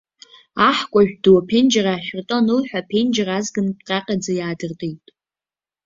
Аҳкәажә ду аԥенџьыр аашәырты анылҳәа, аԥенџьыр азганк ҟьаҟьаӡа иаадыртит.